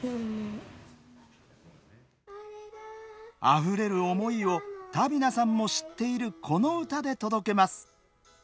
あふれる思いをタビナさんも知っているこの歌で届けます。